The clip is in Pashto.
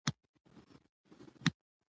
د حاجي صېب اومبارکۍ له ورشه